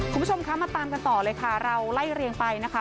คุณผู้ชมคะมาตามกันต่อเลยค่ะเราไล่เรียงไปนะคะ